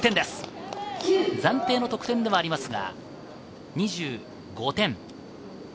暫定の得点ではありますが、２５点。